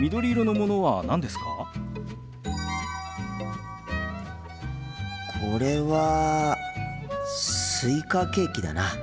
心の声これはスイカケーキだな。